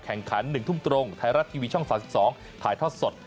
แข่งขัน๑ทุ่มตรงไทยรัฐทีวีช่อง๓๒ถ่ายทอดสด